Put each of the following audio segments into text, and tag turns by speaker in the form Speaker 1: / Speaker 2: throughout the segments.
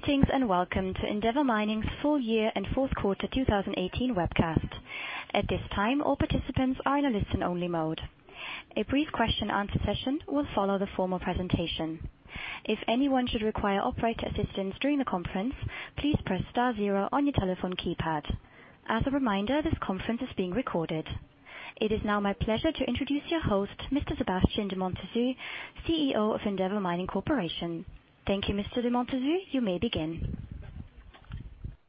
Speaker 1: Greetings and welcome to Endeavour Mining's full year and fourth quarter 2018 webcast. At this time, all participants are in a listen-only mode. A brief question answer session will follow the formal presentation. If anyone should require operator assistance during the conference, please press star 0 on your telephone keypad. As a reminder, this conference is being recorded. It is now my pleasure to introduce your host, Mr. Sébastien de Montessus, CEO of Endeavour Mining Corporation. Thank you, Mr. de Montessus, you may begin.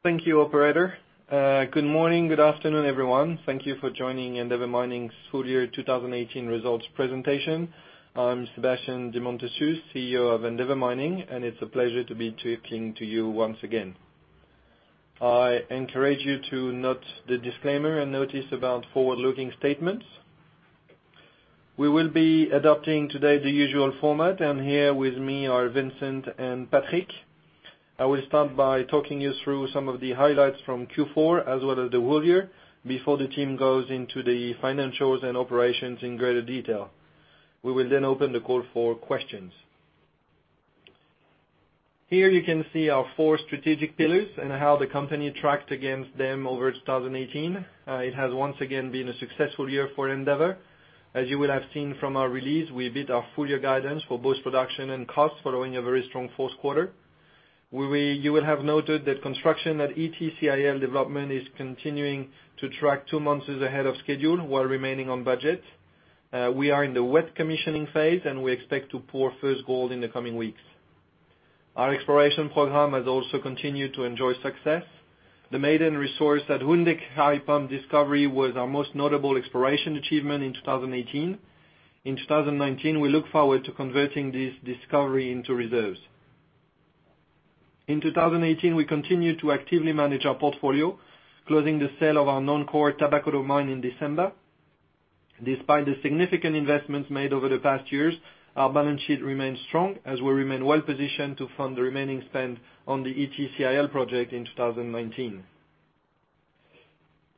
Speaker 2: Thank you, operator. Good morning, good afternoon, everyone. Thank you for joining Endeavour Mining's full year 2018 results presentation. I'm Sébastien de Montessus, CEO of Endeavour Mining, and it's a pleasure to be talking to you once again. I encourage you to note the disclaimer and notice about forward-looking statements. We will be adopting today the usual format. Here with me are Vincent and Patrick. I will start by talking you through some of the highlights from Q4, as well as the full year, before the team goes into the financials and operations in greater detail. We will then open the call for questions. Here you can see our four strategic pillars and how the company tracked against them over 2018. It has once again been a successful year for Endeavour. As you will have seen from our release, we beat our full year guidance for both production and cost, following a very strong fourth quarter. You will have noted that construction at Ity CIL development is continuing to track two months ahead of schedule while remaining on budget. We are in the wet commissioning phase, and we expect to pour first gold in the coming weeks. Our exploration program has also continued to enjoy success. The maiden resource at Houndé discovery was our most notable exploration achievement in 2018. In 2019, we look forward to converting this discovery into reserves. In 2018, we continued to actively manage our portfolio, closing the sale of our non-core Tabakoto mine in December. Despite the significant investments made over the past years, our balance sheet remains strong, as we remain well-positioned to fund the remaining spend on the Ity CIL project in 2019.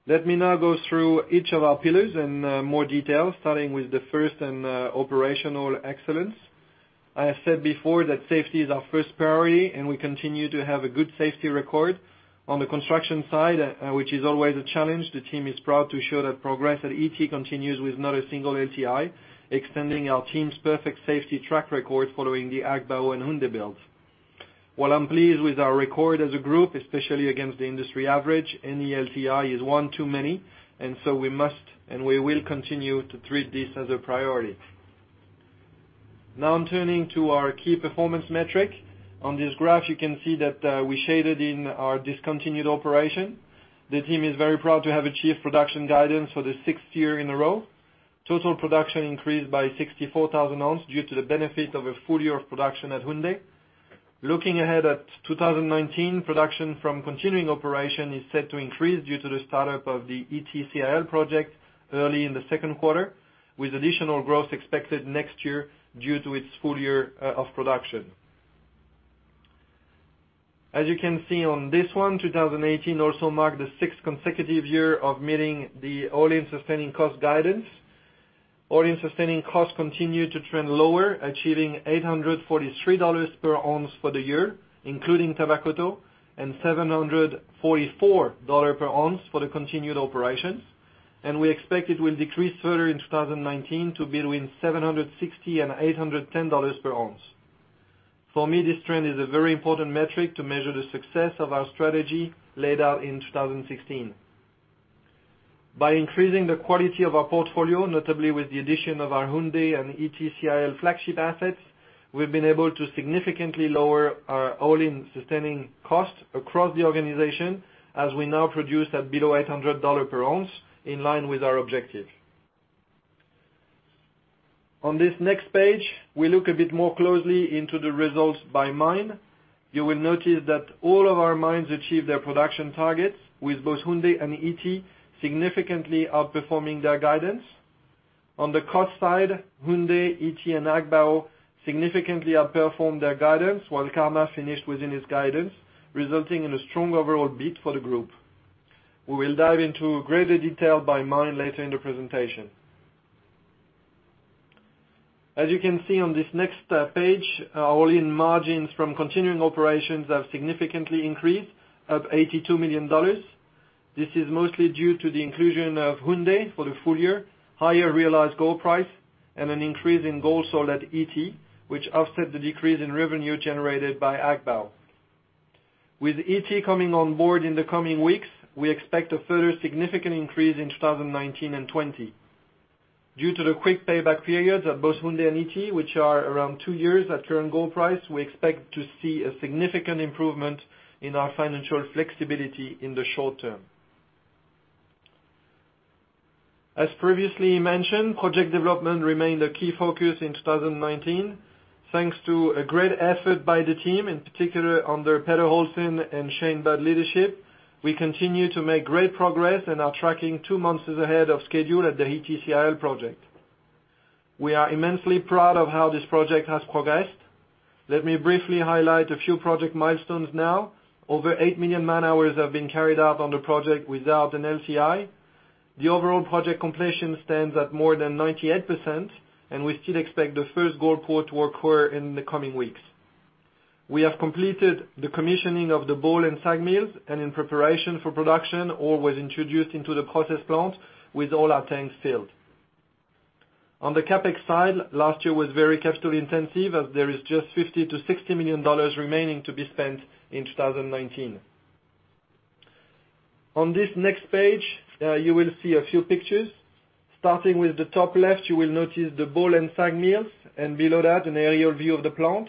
Speaker 2: Let me now go through each of our pillars in more detail, starting with the first in operational excellence. I have said before that safety is our first priority, and we continue to have a good safety record on the construction side, which is always a challenge. The team is proud to show that progress at Ity continues with not a single LTI, extending our team's perfect safety track record following the Agbaou and Houndé builds. While I'm pleased with our record as a group, especially against the industry average, any LTI is one too many. We must and we will continue to treat this as a priority. Now turning to our key performance metric. On this graph, you can see that we shaded in our discontinued operation. The team is very proud to have achieved production guidance for the sixth year in a row. Total production increased by 64,000 oz due to the benefit of a full year of production at Houndé. Looking ahead at 2019, production from continuing operation is set to increase due to the startup of the Ity CIL project early in the second quarter, with additional growth expected next year due to its full year of production. As you can see on this one, 2018 also marked the sixth consecutive year of meeting the all-in sustaining cost guidance. All-in sustaining costs continue to trend lower, achieving $843 per oz for the year, including Tabakoto, and $744 per oz for the continued operations. We expect it will decrease further in 2019 to between $760 and $810 per oz. For me, this trend is a very important metric to measure the success of our strategy laid out in 2016. By increasing the quality of our portfolio, notably with the addition of our Houndé and Ity CIL flagship assets, we've been able to significantly lower our all-in sustaining costs across the organization, as we now produce at below $800 per oz, in line with our objective. On this next page, we look a bit more closely into the results by mine. You will notice that all of our mines achieved their production targets, with both Houndé and Ity significantly outperforming their guidance. On the cost side, Houndé, Ity, and Agbaou significantly outperformed their guidance, while Karma finished within its guidance, resulting in a strong overall beat for the group. We will dive into greater detail by mine later in the presentation. As you can see on this next page, our all-in margins from continuing operations have significantly increased, up $82 million. This is mostly due to the inclusion of Houndé for the full year, higher realized gold price, and an increase in gold sold at Ity, which offset the decrease in revenue generated by Agbaou. With Ity coming on board in the coming weeks, we expect a further significant increase in 2019 and 2020. Due to the quick payback periods at both Houndé and Ity, which are around two years at current gold price, we expect to see a significant improvement in our financial flexibility in the short term. As previously mentioned, project development remained a key focus in 2019. Thanks to a great effort by the team, in particular under Peter Holten and Shane Budd leadership, we continue to make great progress and are tracking two months ahead of schedule at the Ity CIL project. We are immensely proud of how this project has progressed. Let me briefly highlight a few project milestones now. Over 8 million man-hours have been carried out on the project without an LTI. The overall project completion stands at more than 98%, and we still expect the first gold pour to occur in the coming weeks. We have completed the commissioning of the ball and sag mills, and in preparation for production, ore was introduced into the process plant with all our tanks filled. On the CapEx side, last year was very capital intensive, as there is just $50-$60 million remaining to be spent in 2019. On this next page, you will see a few pictures. Starting with the top left, you will notice the ball and sag mills, and below that, an aerial view of the plant.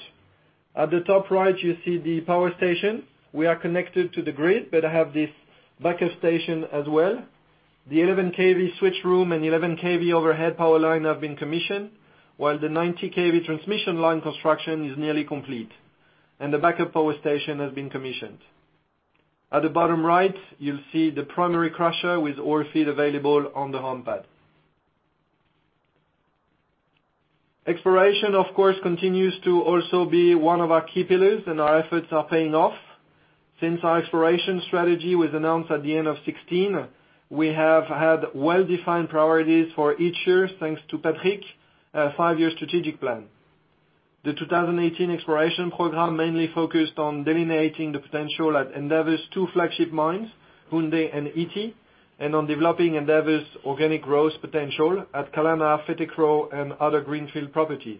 Speaker 2: At the top right, you see the power station. We are connected to the grid but have this backup station as well. The 11 kV switch room and 11 kV overhead power line have been commissioned, while the 90 kV transmission line construction is nearly complete, and the backup power station has been commissioned. At the bottom right, you'll see the primary crusher with ore feed available on the hump pad. Exploration, of course, continues to also be one of our key pillars, and our efforts are paying off. Since our exploration strategy was announced at the end of 2016, we have had well-defined priorities for each year, thanks to Patrick's five-year strategic plan. The 2018 exploration program mainly focused on delineating the potential at Endeavour's two flagship mines, Houndé and Ity, and on developing Endeavour's organic growth potential at Kalana, Fetekro, and other greenfield properties.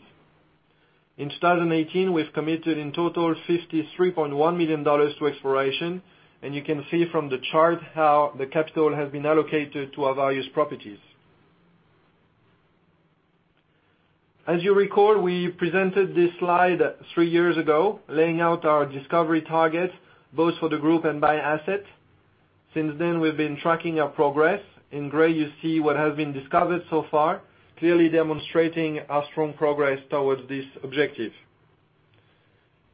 Speaker 2: In 2018, we've committed, in total, $53.1 million to exploration, and you can see from the chart how the capital has been allocated to our various properties. As you recall, we presented this slide three years ago, laying out our discovery targets, both for the group and by asset. Since then, we've been tracking our progress. In gray, you see what has been discovered so far, clearly demonstrating our strong progress towards this objective.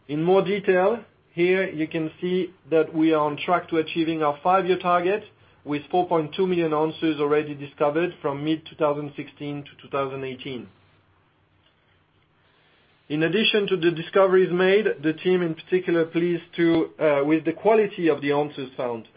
Speaker 2: In more detail, here you can see that we are on track to achieving our five-year target with 4.2 million ounces already discovered from mid-2016 to 2018. In addition to the discoveries made, the team in particular are pleased with the quality of the ounces found.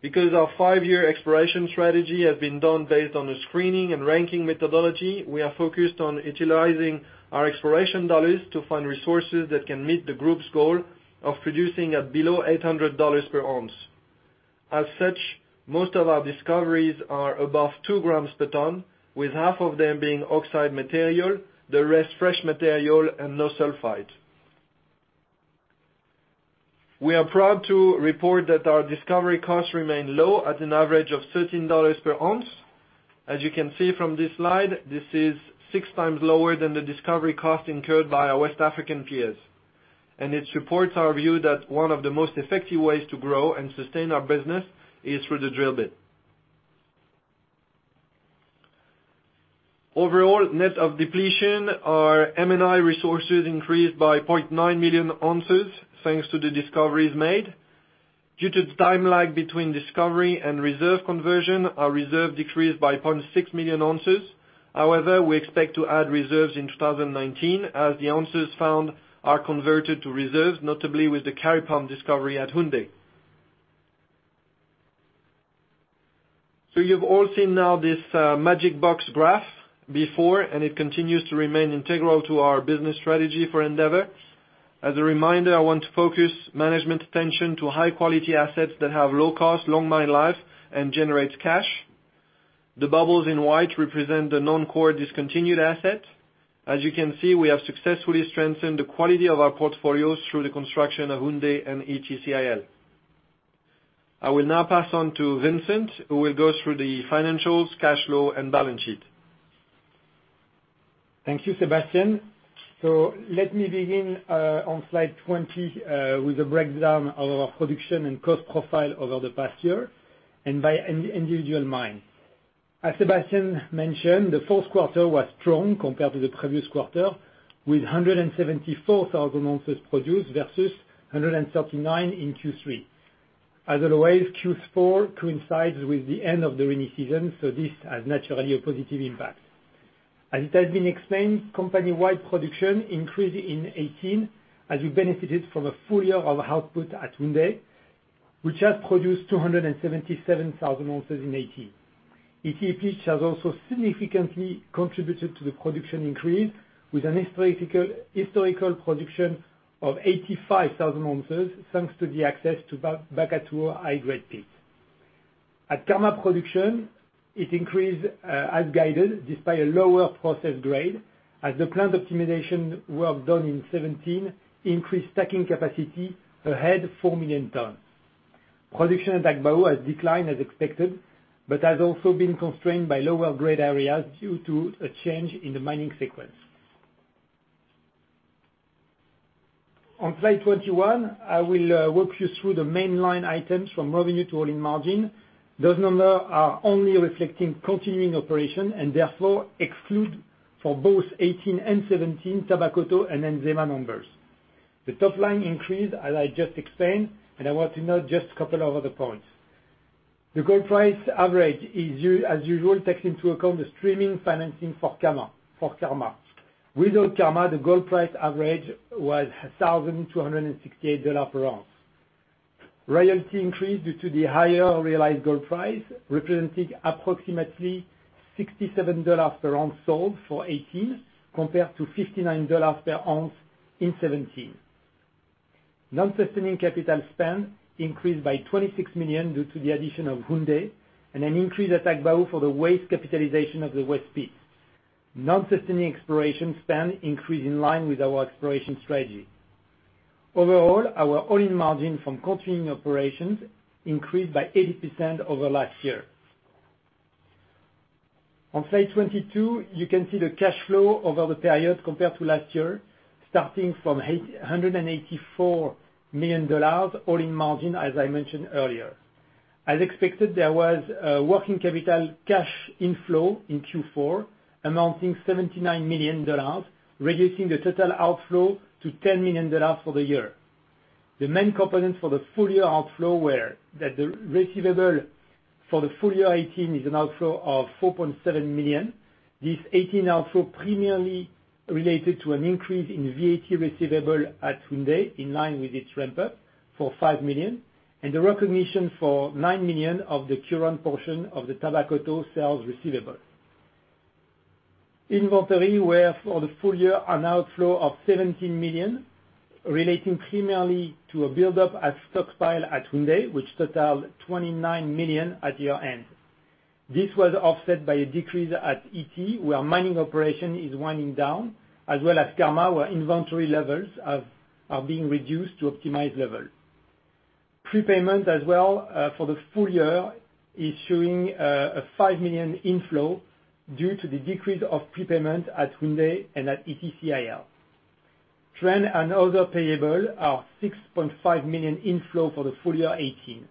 Speaker 2: Because our five-year exploration strategy has been done based on a screening and ranking methodology, we are focused on utilizing our exploration dollars to find resources that can meet the group's goal of producing at below $800 per ounce. As such, most of our discoveries are above two grams per ton, with half of them being oxide material, the rest fresh material, and no sulfide. We are proud to report that our discovery costs remain low, at an average of $13 per ounce. As you can see from this slide, this is six times lower than the discovery cost incurred by our West African peers. It supports our view that one of the most effective ways to grow and sustain our business is through the drill bit. Overall, net of depletion, our M&I resources increased by 0.9 million ounces, thanks to the discoveries made. Due to the time lag between discovery and reserve conversion, our reserve decreased by 0.6 million ounces. However, we expect to add reserves in 2019 as the ounces found are converted to reserves, notably with the Kari Pump discovery at Houndé. You've all seen now this magic box graph before, and it continues to remain integral to our business strategy for Endeavour. As a reminder, I want to focus management attention to high-quality assets that have low cost, long mine life, and generates cash. The bubbles in white represent the non-core discontinued asset. As you can see, we have successfully strengthened the quality of our portfolios through the construction of Houndé and Ity CIL. I will now pass on to Vincent, who will go through the financials, cash flow, and balance sheet.
Speaker 3: Thank you, Sébastien. Let me begin on slide 20 with a breakdown of our production and cost profile over the past year and by individual mine. As Sébastien mentioned, the fourth quarter was strong compared to the previous quarter, with 174,000 ounces produced versus 139 in Q3. As always, Q4 coincides with the end of the rainy season, this has naturally a positive impact. As it has been explained, company-wide production increased in 2018 as we benefited from a full year of output at Houndé, which has produced 277,000 ounces in 2018. Ity also significantly contributed to the production increase, with a historical production of 85,000 ounces, thanks to the access to Bakatouo high-grade pit. At Karma production, it increased as guided, despite a lower process grade, as the plant optimization work done in 2017 increased stacking capacity ahead of 4 million tons. Production at Agbaou has declined as expected, has also been constrained by lower grade areas due to a change in the mining sequence. On slide 21, I will walk you through the main line items from revenue to all-in margin. Those numbers are only reflecting continuing operations and therefore exclude for both 2018 and 2017 Tabakoto and Nzema numbers. The top line increased, as I just explained. I want to note just a couple of other points. The gold price average, as usual, takes into account the streaming financing for Karma. Without Karma, the gold price average was $1,268 per ounce. Royalty increased due to the higher realized gold price, representing approximately $67 per ounce sold for 2018, compared to $59 per ounce in 2017. Non-sustaining capital spend increased by $26 million due to the addition of Houndé and an increase at Agbaou for the waste capitalization of the west pits. Non-sustaining exploration spend increased in line with our exploration strategy. Overall, our all-in margin from continuing operations increased by 80% over last year. On slide 22, you can see the cash flow over the period compared to last year, starting from $184 million all-in margin, as I mentioned earlier. As expected, there was a working capital cash inflow in Q4 amounting $79 million, reducing the total outflow to $10 million for the year. The main components for the full year outflow were that the receivable for the full year 2018 is an outflow of $4.7 million. This 2018 outflow primarily related to an increase in VAT receivable at Houndé in line with its ramp-up for $5 million, the recognition for $9 million of the current portion of the Tabakoto sales receivable. Inventory was for the full year an outflow of $17 million relating primarily to a buildup at stockpile at Houndé, which totaled $29 million at year end. This was offset by a decrease at Ity, where mining operations is winding down, as well as Karma, where inventory levels are being reduced to optimized level. Prepayment as well, for the full year is showing a $5 million inflow due to the decrease of prepayment at Houndé and at Ity CIL. Trade and other payables are $6.5 million inflow for the full year 2018.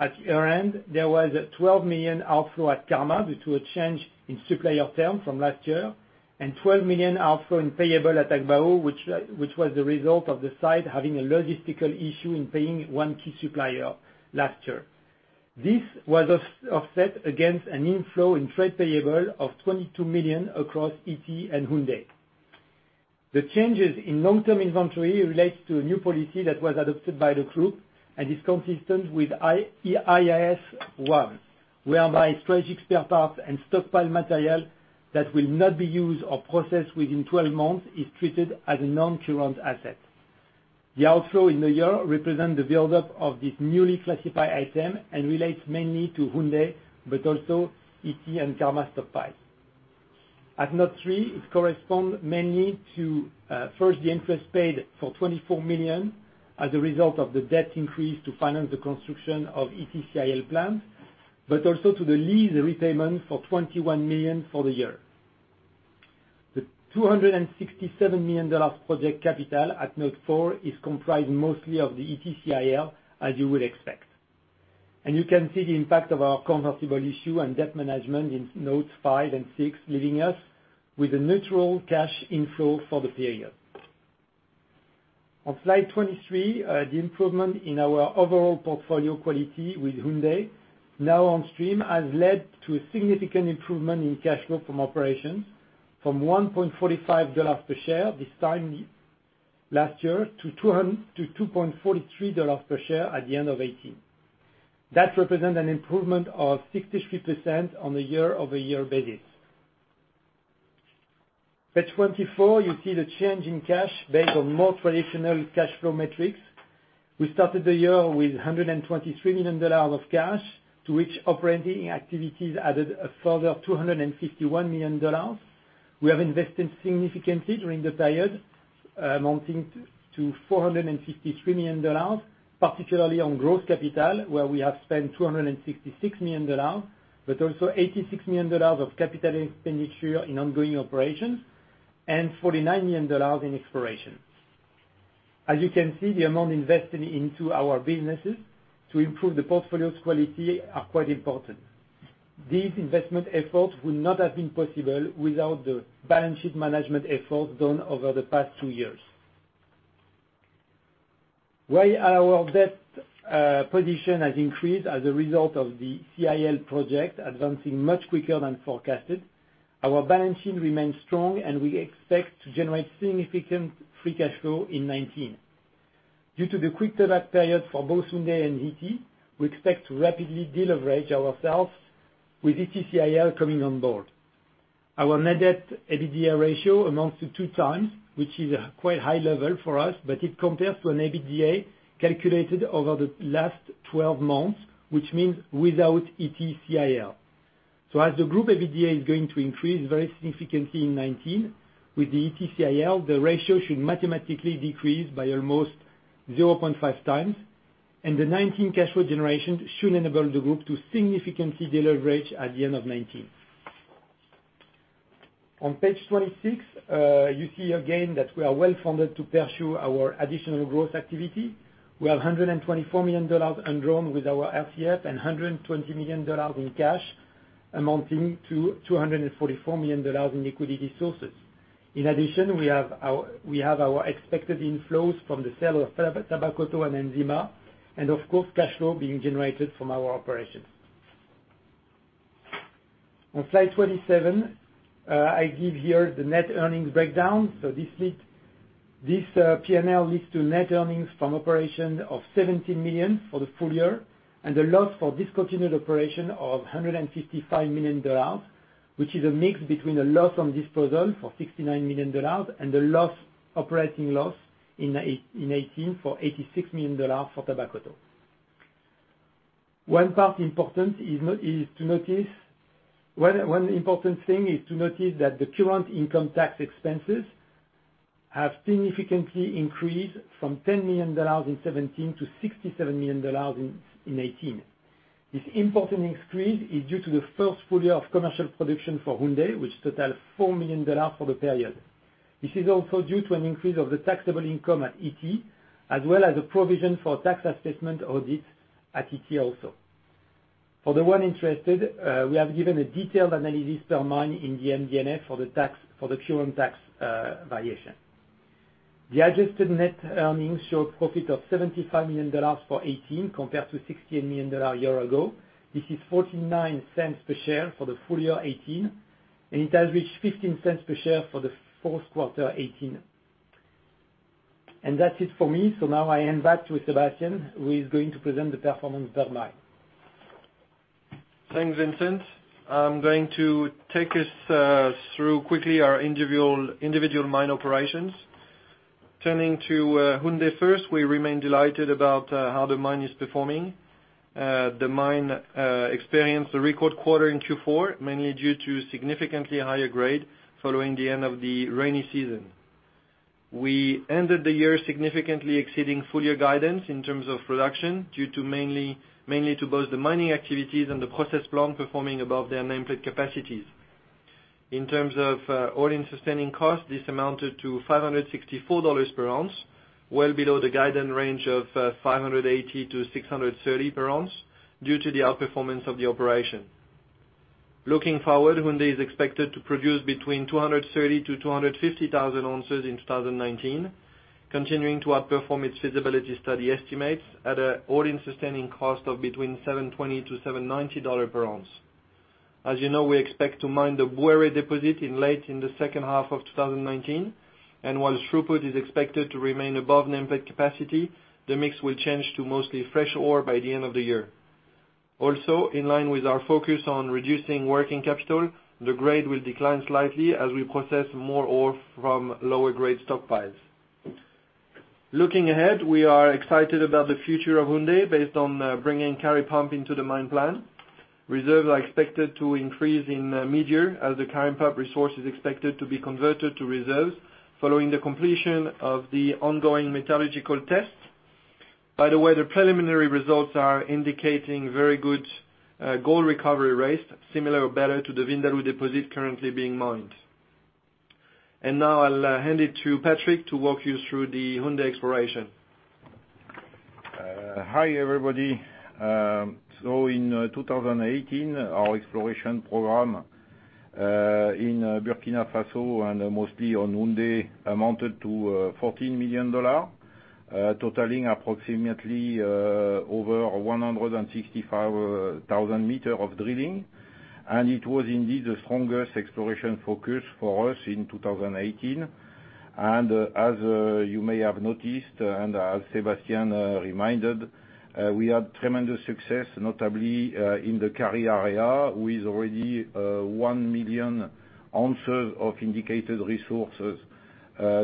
Speaker 3: At year end, there was a $12 million outflow at Karma due to a change in supplier term from last year, and $12 million outflow in payable at Agbaou which was the result of the site having a logistical issue in paying one key supplier last year. This was offset against an inflow in trade payable of $22 million across Ity and Houndé. The changes in long-term inventory relates to a new policy that was adopted by the group and is consistent with IAS 1, whereby strategic spare parts and stockpile material that will not be used or processed within 12 months is treated as a non-current asset. The outflow in the year represent the buildup of this newly classified item and relates mainly to Houndé, but also Ity and Karma stockpiles. At note three, it correspond mainly to first the interest paid for $24 million as a result of the debt increase to finance the construction of Ity CIL plant, but also to the lease repayment for $21 million for the year. The $267 million project capital at note four is comprised mostly of the Ity CIL, as you would expect. You can see the impact of our convertible issue and debt management in notes five and six, leaving us with a neutral cash inflow for the period. On slide 23, the improvement in our overall portfolio quality with Houndé now on stream has led to a significant improvement in cash flow from operations from $1.45 per share this time last year to $2.43 per share at the end of 2018. That represent an improvement of 63% on a year-over-year basis. Page 24, you see the change in cash based on more traditional cash flow metrics. We started the year with $123 million of cash, to which operating activities added a further $251 million. We have invested significantly during the period amounting to $453 million, particularly on gross capital, where we have spent $266 million, but also $86 million of capital expenditure in ongoing operations and $49 million in exploration. You can see, the amount invested into our businesses to improve the portfolio's quality are quite important. These investment efforts would not have been possible without the balance sheet management efforts done over the past two years. While our debt position has increased as a result of the CIL project advancing much quicker than forecasted, our balance sheet remains strong, and we expect to generate significant free cash flow in 2019. Due to the quick payback period for both Houndé and Ity, we expect to rapidly deleverage ourselves with Ity CIL coming on board. Our net debt EBITDA ratio amounts to two times, which is a quite high level for us, but it compares to an EBITDA calculated over the last 12 months, which means without Ity CIL. As the group EBITDA is going to increase very significantly in 2019 with the Ity CIL, the ratio should mathematically decrease by almost 0.5 times, and the 2019 cash flow generation should enable the group to significantly deleverage at the end of 2019. On page 26, you see again that we are well funded to pursue our additional growth activity. We have $124 million undrawn with our RCF and $120 million in cash, amounting to $244 million in liquidity sources. In addition, we have our expected inflows from the sale of Tabakoto and Nzema, and of course, cash flow being generated from our operations. On slide 27, I give here the net earnings breakdown. This P&L leads to net earnings from operations of $17 million for the full year, and the loss for discontinued operation of $155 million, which is a mix between a loss on disposal for $69 million and the operating loss in 2018 for $86 million for Tabakoto. One important thing to notice that the current income tax expenses have significantly increased from $10 million in 2017 to $67 million in 2018. This important increase is due to the first full year of commercial production for Houndé, which totals $4 million for the period. This is also due to an increase of the taxable income at Ity, as well as a provision for tax assessment audits at Ity also. For the one interested, we have given a detailed analysis per mine in the MD&A for the current tax valuation. The adjusted net earnings showed profit of $75 million for 2018 compared to $68 million a year ago. This is $0.49 per share for the full year 2018, and it has reached $0.15 per share for the fourth quarter 2018. That's it for me. Now I hand back to Sébastien, who is going to present the performance per mine.
Speaker 2: Thanks, Vincent. I'm going to take us through quickly our individual mine operations. Turning to Houndé first, we remain delighted about how the mine is performing. The mine experienced a record quarter in Q4, mainly due to significantly higher grade following the end of the rainy season. We ended the year significantly exceeding full-year guidance in terms of production, due mainly to both the mining activities and the process plant performing above their nameplate capacities. In terms of all-in sustaining cost, this amounted to $564 per ounce, well below the guidance range of $580-$630 per ounce due to the outperformance of the operation. Looking forward, Houndé is expected to produce between 230,000-250,000 ounces in 2019, continuing to outperform its feasibility study estimates at an all-in sustaining cost of between $720-$790 per ounce. As you know, we expect to mine the Bouéré deposit late in the second half of 2019. While throughput is expected to remain above nameplate capacity, the mix will change to mostly fresh ore by the end of the year. Also, in line with our focus on reducing working capital, the grade will decline slightly as we process more ore from lower grade stockpiles. Looking ahead, we are excited about the future of Houndé based on bringing Kari Pump into the mine plan. Reserves are expected to increase in mid-year as the Kari Pump resource is expected to be converted to reserves following the completion of the ongoing metallurgical tests. By the way, the preliminary results are indicating very good gold recovery rates, similar or better to the Vindaloo deposit currently being mined. Now I'll hand it to Patrick to walk you through the Houndé exploration.
Speaker 4: Hi, everybody. In 2018, our exploration program in Burkina Faso and mostly on Houndé amounted to $14 million, totaling approximately over 165,000 meters of drilling. It was indeed the strongest exploration focus for us in 2018. As you may have noticed and as Sébastien reminded, we had tremendous success, notably in the Kari area, with already 1 million ounces of indicated resources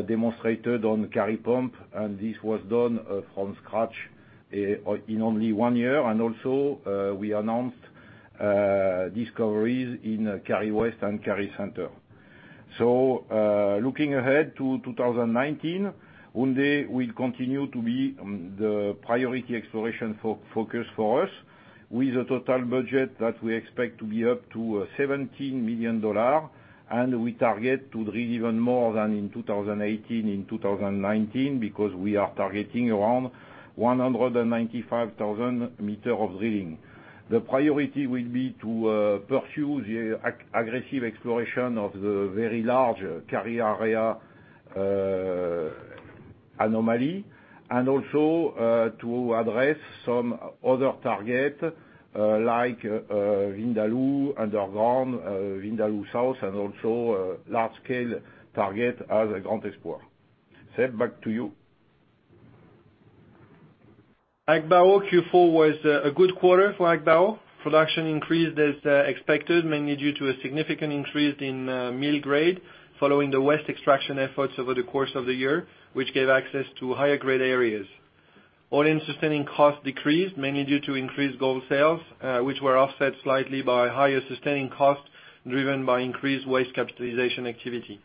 Speaker 4: demonstrated on Kari Pump, and this was done from scratch in only 1 year. Also, we announced discoveries in Kari West and Kari Center. Looking ahead to 2019, Houndé will continue to be the priority exploration focus for us with a total budget that we expect to be up to $17 million, we target to drill even more than in 2018 in 2019 because we are targeting around 195,000 meters of drilling. The priority will be to pursue the aggressive exploration of the very large Kari area anomaly and also to address some other target, like Vindaloo underground, Vindaloo South, and also large scale target as a Grand Export. Seb, back to you.
Speaker 2: Agbaou Q4 was a good quarter for Agbaou. Production increased as expected, mainly due to a significant increase in mill grade following the waste extraction efforts over the course of the year, which gave access to higher grade areas. all-in sustaining cost decreased, mainly due to increased gold sales, which were offset slightly by higher sustaining cost, driven by increased waste capitalization activity.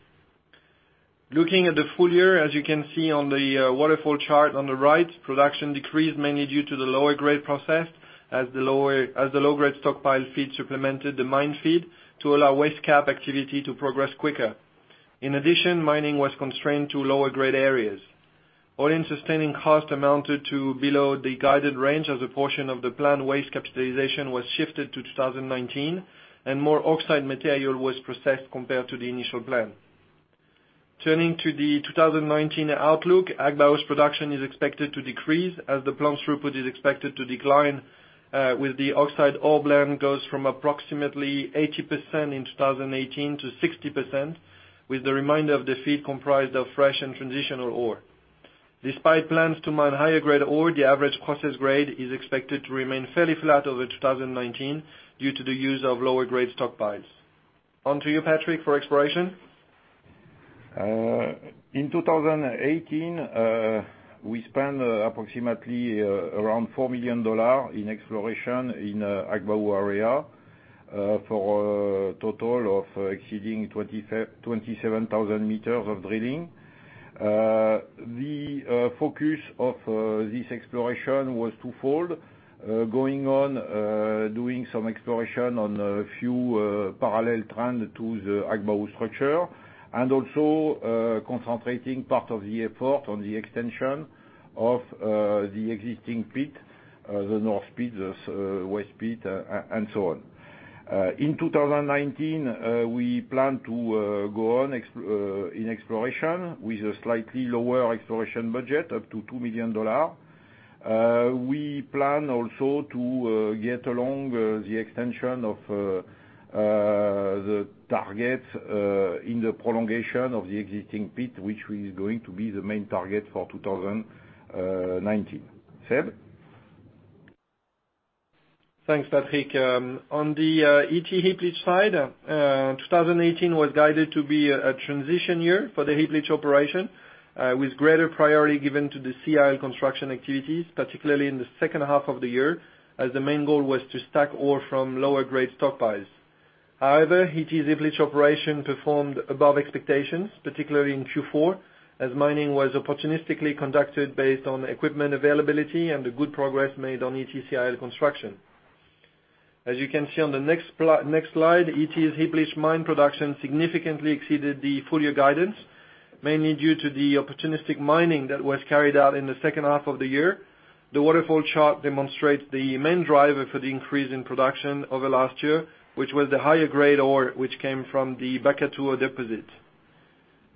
Speaker 2: Looking at the full year, as you can see on the waterfall chart on the right, production decreased mainly due to the lower grade processed as the low-grade stockpile feed supplemented the mine feed to allow waste cap activity to progress quicker. In addition, mining was constrained to lower grade areas. all-in sustaining cost amounted to below the guided range as a portion of the planned waste capitalization was shifted to 2019 and more oxide material was processed compared to the initial plan. Turning to the 2019 outlook, Agbaou's production is expected to decrease as the plant's throughput is expected to decline with the oxide ore blend goes from approximately 80% in 2018 to 60%, with the remainder of the feed comprised of fresh and transitional ore. Despite plans to mine higher grade ore, the average processed grade is expected to remain fairly flat over 2019 due to the use of lower grade stockpiles. On to you, Patrick, for exploration.
Speaker 4: In 2018, we spent approximately around $4 million in exploration in Agbaou area for a total of exceeding 27,000 meters of drilling. The focus of this exploration was twofold. Going on doing some exploration on a few parallel trend to the Agbaou structure, and also concentrating part of the effort on the extension of the existing pit, the north pit, the west pit, and so on. In 2019, we plan to go on in exploration with a slightly lower exploration budget of up to $2 million. We plan also to get along the extension of the target in the prolongation of the existing pit, which is going to be the main target for 2019. Seb?
Speaker 2: Thanks, Patrick. On the Ity heap leach side, 2018 was guided to be a transition year for the heap leach operation, with greater priority given to the CIL construction activities, particularly in the second half of the year, as the main goal was to stack ore from lower grade stockpiles. However, Ity's heap leach operation performed above expectations, particularly in Q4, as mining was opportunistically conducted based on equipment availability and the good progress made on Ity CIL construction. As you can see on the next slide, Ity's heap leach mine production significantly exceeded the full year guidance, mainly due to the opportunistic mining that was carried out in the second half of the year. The waterfall chart demonstrates the main driver for the increase in production over last year, which was the higher grade ore which came from the Bakatouo deposit.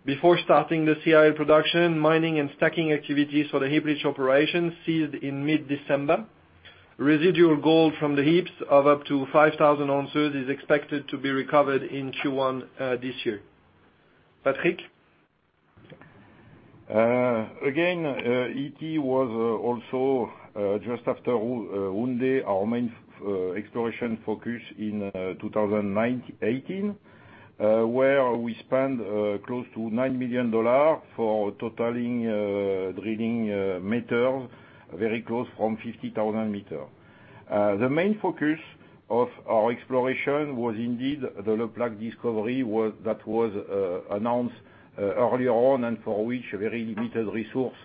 Speaker 2: Before starting the CIL production, mining and stacking activities for the heap leach operation ceased in mid-December. Residual gold from the heaps of up to 5,000 ounces is expected to be recovered in Q1 this year. Patrick?
Speaker 4: Again, Ity was also, just after Ourououe, our main exploration focus in 2018, where we spent close to $9 million for totaling drilling meters very close from 50,000 meters. The main focus of our exploration was indeed the Le Plaque discovery that was announced earlier on and for which a very limited resource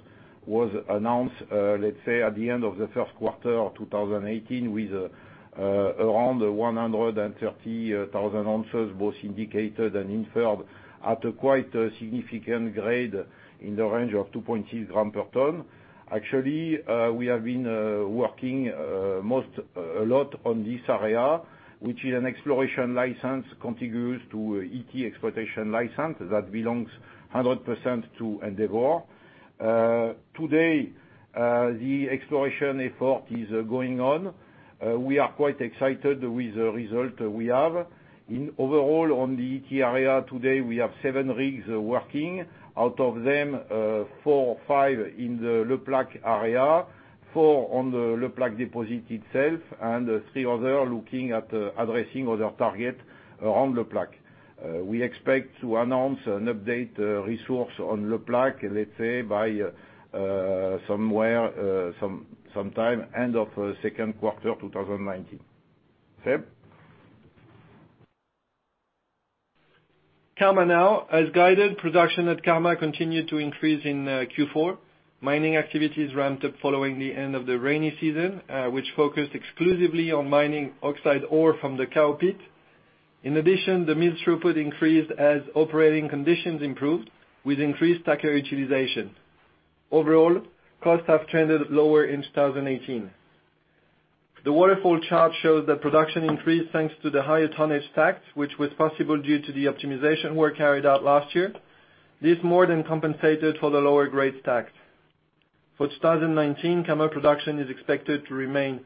Speaker 4: was announced, let's say, at the end of the first quarter of 2018, with around 130,000 ounces, both indicated and inferred at a quite significant grade in the range of 2.6 gram per ton. Actually, we have been working a lot on this area, which is an exploration license contiguous to Ity exploitation license that belongs 100% to Endeavour. Today, the exploration effort is going on. We are quite excited with the result we have. Overall, on the Ity area today, we have seven rigs working. Out of them, four or five in the Le Plaque area, four on the Le Plaque deposit itself, and three others looking at addressing other targets around Le Plaque. We expect to announce an update resource on Le Plaque, let's say by sometime end of second quarter 2019. Seb?
Speaker 2: Karma now. As guided, production at Karma continued to increase in Q4. Mining activities ramped up following the end of the rainy season, which focused exclusively on mining oxide ore from the Cow Pit. In addition, the mill throughput increased as operating conditions improved with increased stacker utilization. Overall, costs have trended lower in 2018. The waterfall chart shows that production increased thanks to the higher tonnage stacked, which was possible due to the optimization work carried out last year. This more than compensated for the lower grade stacked. For 2019, Karma production is expected to remain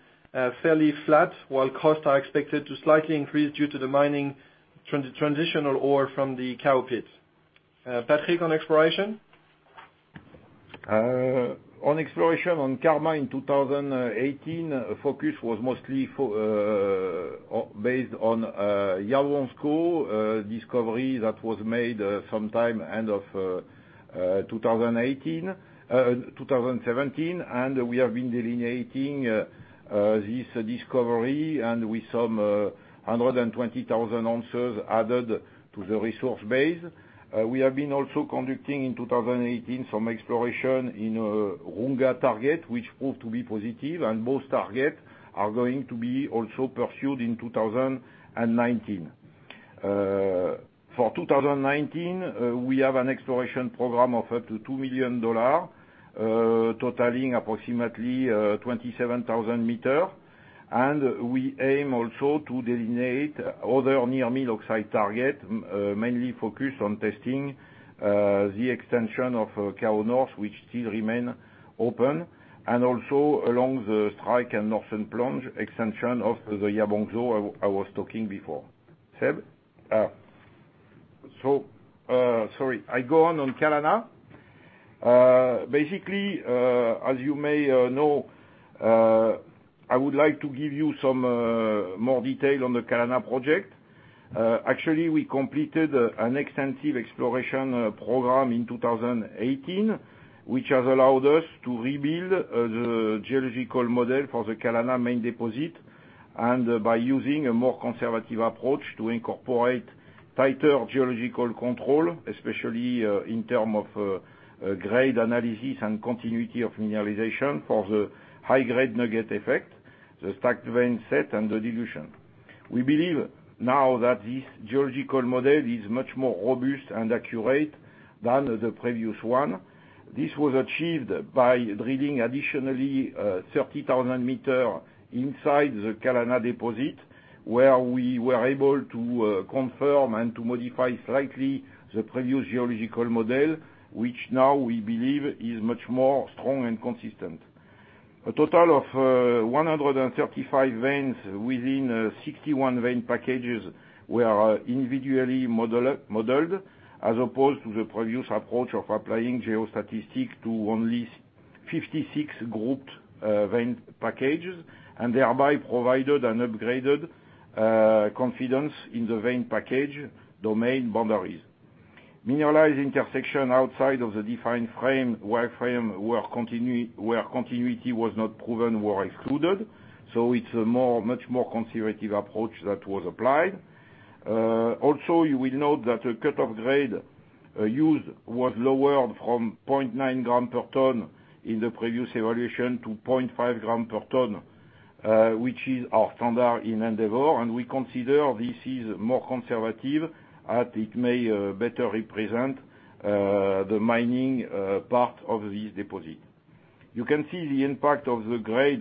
Speaker 2: fairly flat, while costs are expected to slightly increase due to the mining transitional ore from the Cow Pit. Patrick, on exploration.
Speaker 4: On exploration on Karma in 2018, focus was mostly based on Yaouansou discovery that was made sometime end of 2017. We have been delineating this discovery with some 120,000 ounces added to the resource base. We have been also conducting in 2018 some exploration in Ouanga target, which proved to be positive. Both targets are going to be also pursued in 2019. For 2019, we have an exploration program of up to $2 million, totaling approximately 27,000 meters. We aim also to delineate other near mill oxide target, mainly focus on testing the extension of Kao North, which still remain open, and also along the strike and northern plunge extension of the Yabong South I was talking before. Seb? Sorry, I go on Kalana. Basically, as you may know, I would like to give you some more detail on the Kalana project. Actually, we completed an extensive exploration program in 2018, which has allowed us to rebuild the geological model for the Kalana main deposit. By using a more conservative approach to incorporate tighter geological control, especially in terms of grade analysis and continuity of mineralization for the high-grade nugget effect, the stacked vein set and the dilution. We believe now that this geological model is much more robust and accurate than the previous one. This was achieved by drilling additionally 30,000 meters inside the Kalana deposit, where we were able to confirm and to modify slightly the previous geological model, which now we believe is much more strong and consistent. A total of 135 veins within 61 vein packages were individually modeled as opposed to the previous approach of applying geostatistics to only 56 grouped vein packages. Thereby provided an upgraded confidence in the vein package domain boundaries. Mineralized intersection outside of the defined wire frame where continuity was not proven, were excluded. It's a much more conservative approach that was applied. Also, you will note that the cut-off grade used was lowered from 0.9 gram per ton in the previous evaluation to 0.5 gram per ton, which is our standard in Endeavour, and we consider this is more conservative as it may better represent the mining part of this deposit. You can see the impact of the grade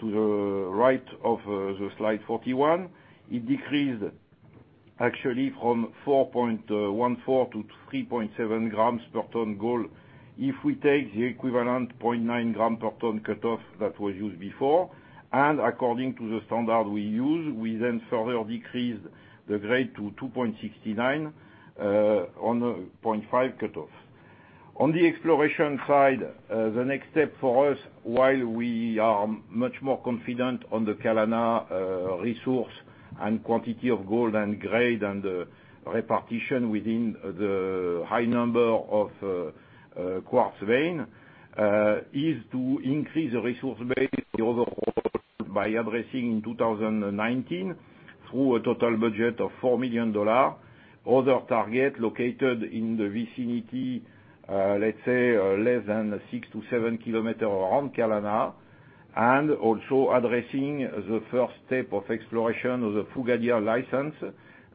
Speaker 4: to the right of the slide 41. It decreased actually from 4.14 to 3.7 grams per ton gold. If we take the equivalent 0.9 gram per ton cut-off that was used before, and according to the standard we use, we then further decreased the grade to 2.69 on the 0.5 cut-offs. On the exploration side, the next step for us, while we are much more confident on the Kalana resource and quantity of gold and grade and the repartition within the high number of quartz vein, is to increase the resource base overall by addressing in 2019 through a total budget of $4 million. Other target located in the vicinity, let's say, less than 6-7 kilometers around Kalana, and also addressing the first step of exploration of the Fougadian license,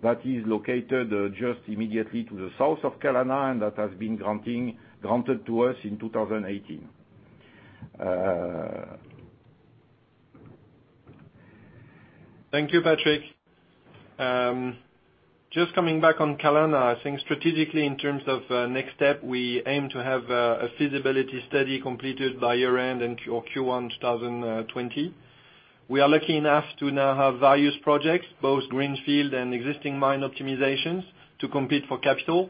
Speaker 4: that is located just immediately to the south of Kalana, and that has been granted to us in 2018.
Speaker 2: Thank you, Patrick. Just coming back on Kalana, I think strategically in terms of next step, we aim to have a feasibility study completed by year-end or Q1 2020. We are lucky enough to now have various projects, both greenfield and existing mine optimizations, to compete for capital.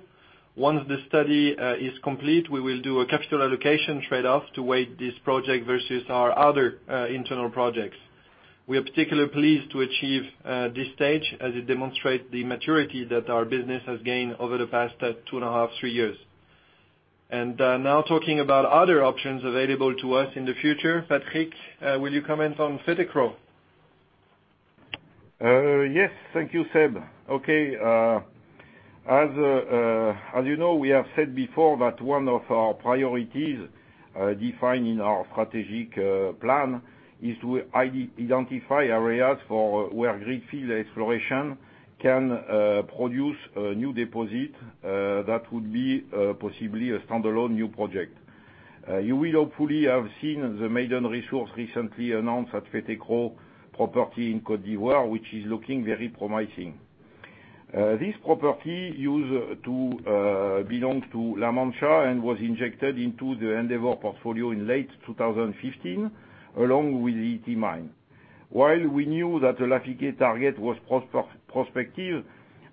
Speaker 2: Once the study is complete, we will do a capital allocation trade-off to weigh this project versus our other internal projects. We are particularly pleased to achieve this stage as it demonstrates the maturity that our business has gained over the past two and a half, three years. Now talking about other options available to us in the future. Patrick, will you comment on Fetekro?
Speaker 4: Yes. Thank you, Seb. As you know, we have said before that one of our priorities defining our strategic plan is to identify areas where greenfield exploration can produce a new deposit that would be possibly a standalone new project. You will hopefully have seen the maiden resource recently announced at Fetekro property in Côte d'Ivoire, which is looking very promising. This property used to belong to La Mancha and was injected into the Endeavour portfolio in late 2015, along with the Ity mine. While we knew that the Lafigué target was prospective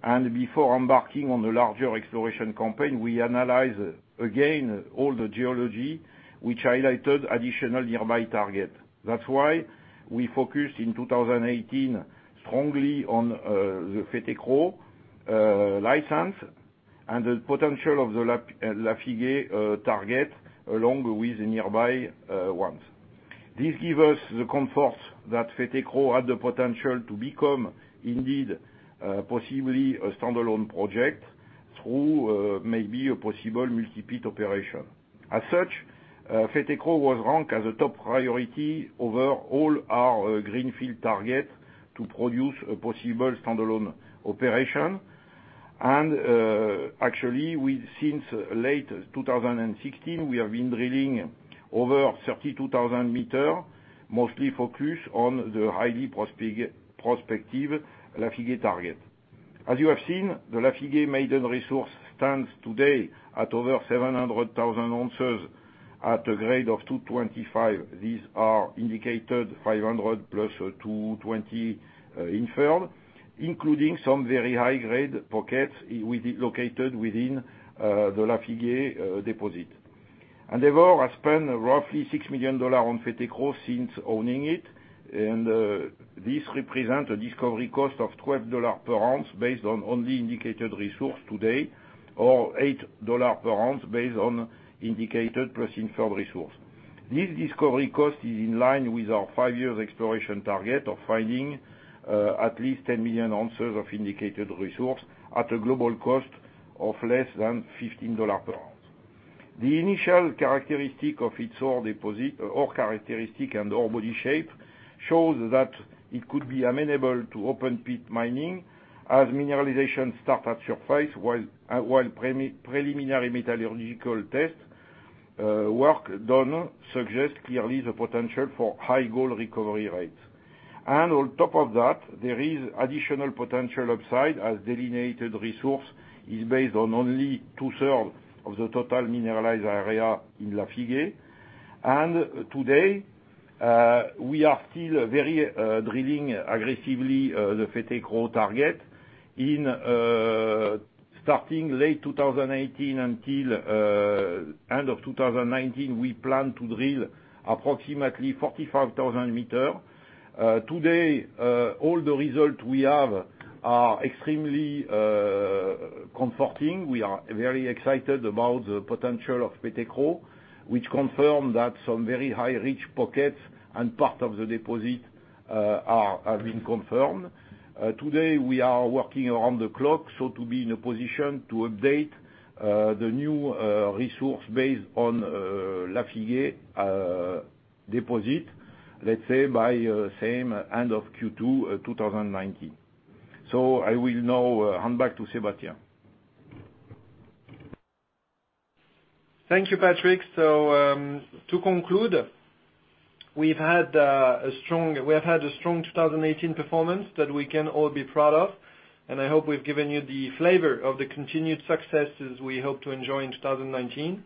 Speaker 4: and before embarking on the larger exploration campaign, we analyzed again all the geology, which highlighted additional nearby target. That's why we focused in 2018 strongly on the Fetekro license and the potential of the Lafigué target, along with the nearby ones. This give us the comfort that Fetekro had the potential to become indeed, possibly a standalone project through maybe a possible multi-pit operation. As such, Fetekro was ranked as a top priority over all our greenfield target to produce a possible standalone operation. Actually, since late 2016, we have been drilling over 32,000 meters, mostly focused on the highly prospective Lafigué target. As you have seen, the Lafigué maiden resource stands today at over 700,000 ounces at a grade of 2.25. These are indicated 500 plus 220 inferred, including some very high-grade pockets located within the Lafigué deposit. Endeavour has spent roughly $6 million on Fetekro since owning it. This represents a discovery cost of $12 per ounce based on only indicated resource today, or $8 per ounce based on indicated plus inferred resource. This discovery cost is in line with our five-year exploration target of finding at least 10 million ounces of indicated resource at a global cost of less than $15 per ounce. The initial characteristic of its ore characteristic and ore body shape shows that it could be amenable to open-pit mining as mineralization starts at surface, while preliminary metallurgical test work done suggests clearly the potential for high gold recovery rates. On top of that, there is additional potential upside as delineated resource is based on only two-thirds of the total mineralized area in Lafigué. Today, we are still drilling aggressively the Fetekro target. Starting late 2018 until end of 2019, we plan to drill approximately 45,000 meters. Today, all the results we have are extremely comforting. We are very excited about the potential of Fetekro, which confirms that some very high-grade pockets and part of the deposit have been confirmed. Today, we are working around the clock to be in a position to update the new resource based on Lafigué deposit, let's say, by end of Q2 2019. I will now hand back to Sébastien.
Speaker 2: Thank you, Patrick. To conclude, we've had a strong 2018 performance that we can all be proud of, and I hope we've given you the flavor of the continued successes we hope to enjoy in 2019.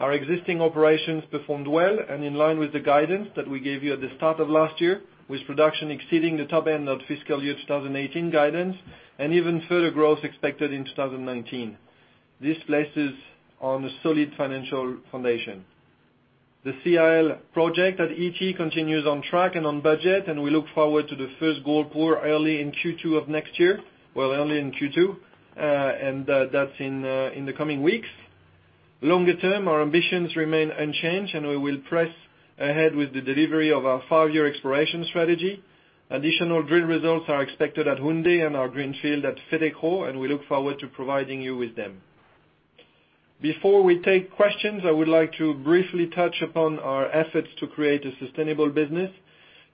Speaker 2: Our existing operations performed well and in line with the guidance that we gave you at the start of last year, with production exceeding the top end of fiscal year 2018 guidance and even further growth expected in 2019. This places us on a solid financial foundation. The CIL project at Ity continues on track and on budget. We look forward to the first gold pour early in Q2 of next year. Early in Q2, and that's in the coming weeks. Longer term, our ambitions remain unchanged. We will press ahead with the delivery of our five-year exploration strategy. Additional drill results are expected at Houndé and our greenfield at Fetekro. We look forward to providing you with them. Before we take questions, I would like to briefly touch upon our efforts to create a sustainable business.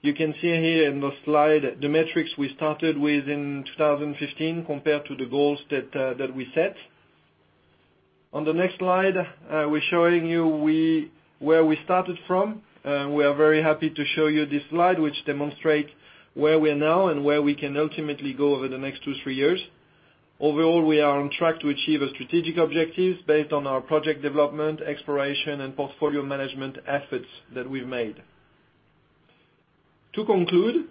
Speaker 2: You can see here in the slide the metrics we started with in 2015 compared to the goals that we set. On the next slide, we're showing you where we started from. We are very happy to show you this slide, which demonstrate where we are now and where we can ultimately go over the next two, three years. Overall, we are on track to achieve our strategic objectives based on our project development, exploration, and portfolio management efforts that we've made. To conclude,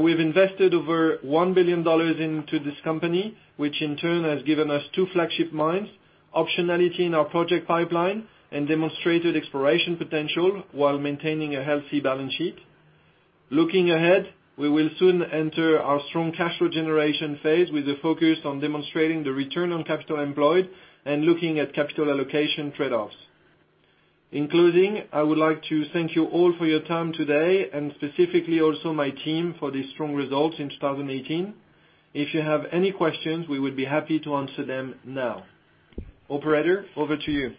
Speaker 2: we've invested over $1 billion into this company, which in turn has given us two flagship mines, optionality in our project pipeline, and demonstrated exploration potential while maintaining a healthy balance sheet. Looking ahead, we will soon enter our strong cash flow generation phase with a focus on demonstrating the return on capital employed and looking at capital allocation trade-offs. In closing, I would like to thank you all for your time today and specifically also my team for the strong results in 2018. If you have any questions, we would be happy to answer them now. Operator, over to you.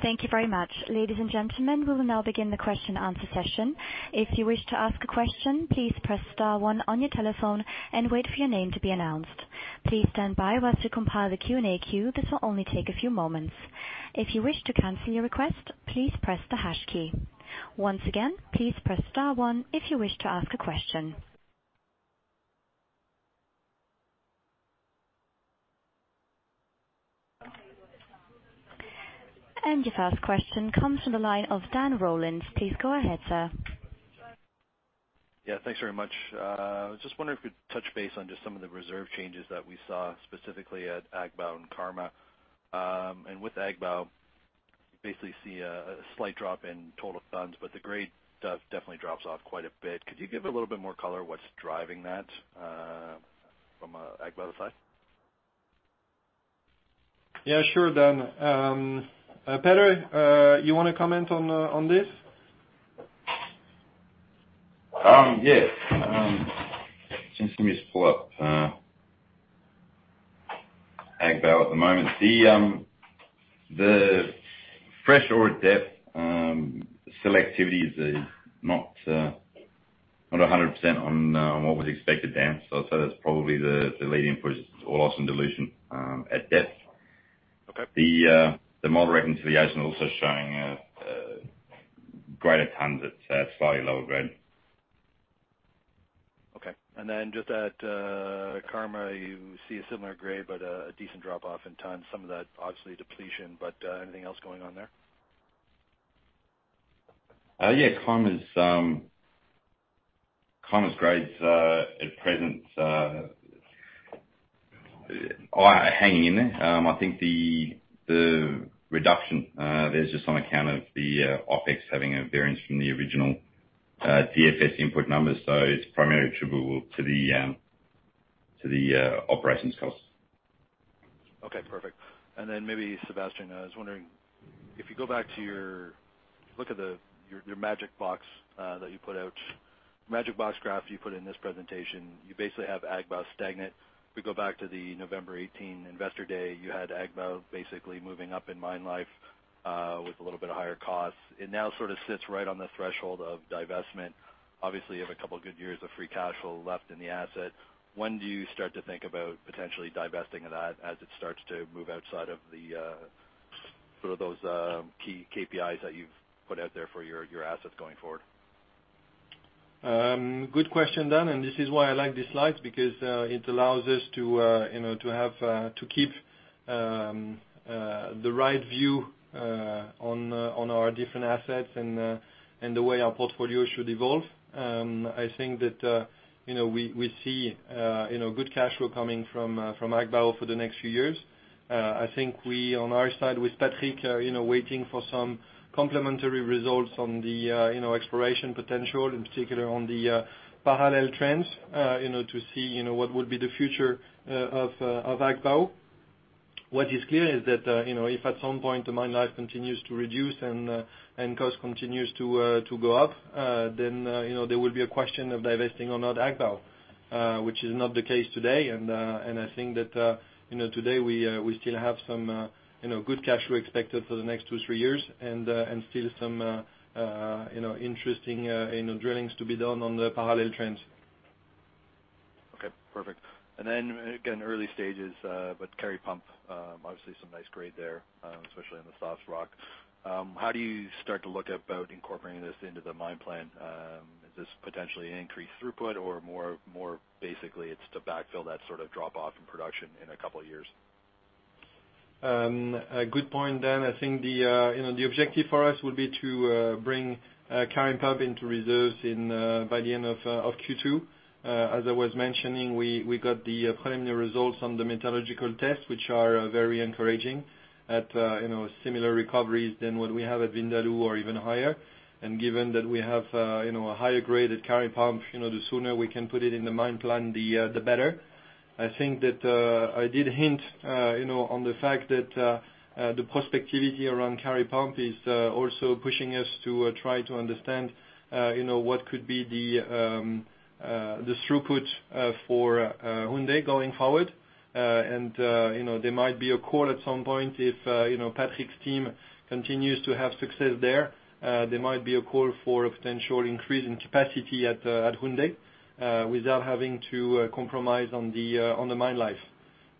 Speaker 1: Thank you very much. Ladies and gentlemen, we will now begin the question and answer session. If you wish to ask a question, please press star one on your telephone and wait for your name to be announced. Please stand by while us to compile the Q&A queue. This will only take a few moments. If you wish to cancel your request, please press the hash key. Once again, please press star one if you wish to ask a question. Your first question comes from the line of Dan Rollins. Please go ahead, sir.
Speaker 5: Yeah. Thanks very much. I was just wondering if you'd touch base on just some of the reserve changes that we saw specifically at Agbaou and Karma. With Agbaou, you basically see a slight drop in total tons, but the grade definitely drops off quite a bit. Could you give a little bit more color what's driving that from Agbaou side?
Speaker 2: Yeah, sure, Dan. Peter, you want to comment on this?
Speaker 6: Yes. Seems to me it's pull up Agbaou at the moment. The fresh ore depth selectivity is not Not 100% on what was expected, Dan. I'd say that's probably the leading input is all loss and dilution at depth.
Speaker 5: Okay.
Speaker 6: The model reconciliation also showing greater tons at slightly lower grade.
Speaker 5: Okay. Just at Karma, you see a similar grade, but a decent drop-off in tons, some of that obviously depletion, anything else going on there?
Speaker 6: Yeah. Karma's grades at present are hanging in there. I think the reduction there is just on account of the OpEx having a variance from the original DFS input numbers. It's primarily attributable to the operations cost.
Speaker 5: Okay, perfect. Maybe Sébastien, I was wondering if you go back to your, look at your magic box graph you put in this presentation, you basically have Agbaou stagnant. If we go back to the November 2018 investor day, you had Agbaou basically moving up in mine life, with a little bit of higher cost. It now sort of sits right on the threshold of divestment. Obviously, you have a couple of good years of free cash flow left in the asset. When do you start to think about potentially divesting that as it starts to move outside of those key KPIs that you've put out there for your assets going forward?
Speaker 2: Good question, Dan, this is why I like these slides, because it allows us to keep the right view on our different assets and the way our portfolio should evolve. I think that we see good cash flow coming from Agbaou for the next few years. I think we, on our side with Patrick, are waiting for some complementary results on the exploration potential, in particular on the parallel trends, to see what would be the future of Agbaou. What is clear is that, if at some point the mine life continues to reduce and cost continues to go up, then there will be a question of divesting or not Agbaou, which is not the case today. I think that today we still have some good cash flow expected for the next two, three years, and still some interesting drillings to be done on the parallel trends.
Speaker 5: Okay, perfect. Again, early stages, but Kari Pump, obviously some nice grade there, especially in the soft rock. How do you start to look at incorporating this into the mine plan? Is this potentially an increased throughput or more basically, it's to backfill that sort of drop-off in production in a couple of years?
Speaker 2: A good point, Dan. I think the objective for us would be to bring Kari Pump into reserves by the end of Q2. As I was mentioning, we got the preliminary results on the metallurgical tests, which are very encouraging at similar recoveries than what we have at Vindaloo or even higher. Given that we have a higher grade at Kari Pump, the sooner we can put it in the mine plan, the better. I think that I did hint on the fact that the prospectivity around Kari Pump is also pushing us to try to understand what could be the throughput for Houndé going forward. There might be a call at some point if Patrick's team continues to have success there. There might be a call for a potential increase in capacity at Houndé without having to compromise on the mine life.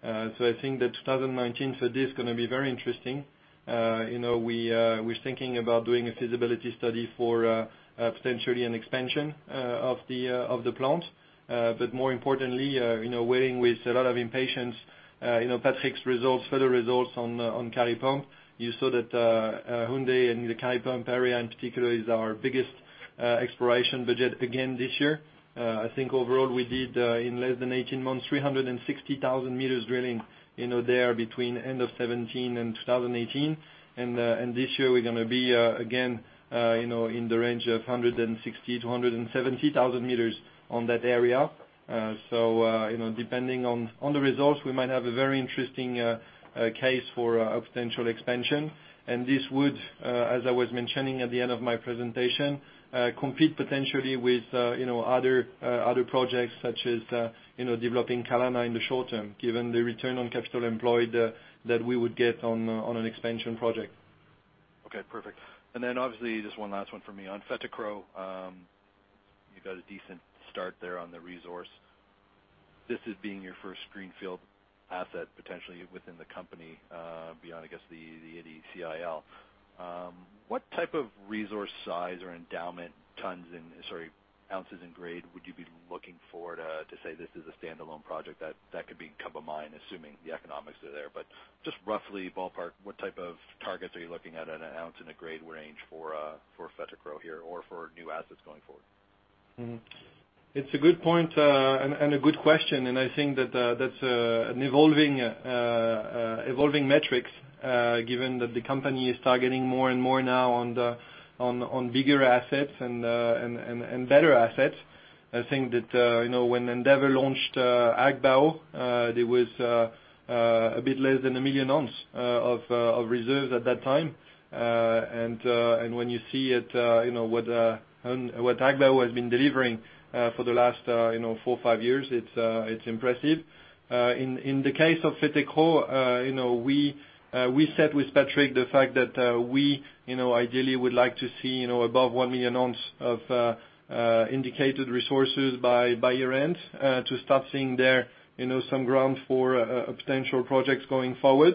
Speaker 2: I think that 2019 for this is going to be very interesting. We're thinking about doing a feasibility study for potentially an expansion of the plant. More importantly, waiting with a lot of impatience Patrick's results, further results on Kari Pump. You saw that Houndé and the Kari Pump area in particular is our biggest exploration budget again this year. I think overall we did, in less than 18 months, 360,000 meters drilling there between end of 2017 and 2018. This year, we're going to be again in the range of 160 to 170,000 meters on that area. Depending on the results, we might have a very interesting case for a potential expansion. This would, as I was mentioning at the end of my presentation, compete potentially with other projects such as developing Kalana in the short term, given the return on capital employed that we would get on an expansion project.
Speaker 5: Okay, perfect. Obviously, just one last one from me. On Fetekro, you got a decent start there on the resource. This as being your first greenfield asset potentially within the company, beyond, I guess, the CIL. What type of resource size or endowment tons in, sorry, ounces in grade, would you be looking for to say this is a standalone project that could become a mine, assuming the economics are there? Just roughly ballpark, what type of targets are you looking at an ounce in a grade range for Fetekro here or for new assets going forward?
Speaker 2: It's a good point, a good question, and I think that that's an evolving metrics, given that the company is targeting more and more now on bigger assets and better assets. I think that when Endeavour launched Agbaou, there was a bit less than 1 million ounces of reserves at that time. When you see what Agbaou has been delivering for the last four or five years, it's impressive. In the case of Fetekro, we said with Patrick, the fact that we ideally would like to see above 1 million ounces of indicated resources by year-end to start seeing there some ground for potential projects going forward.